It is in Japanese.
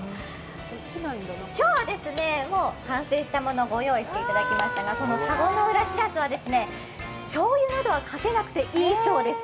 今日は、もう完成したものをご用意していただきましたが田子の浦しらすはしょうゆなどはかけなくていいそうです。